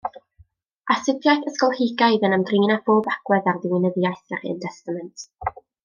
Astudiaeth ysgolheigaidd yn ymdrin â phob agwedd ar ddiwinyddiaeth yr Hen Destament.